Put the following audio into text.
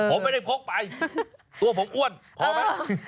ผมไม่ได้พกไปตัวผมอ้วนพอไหม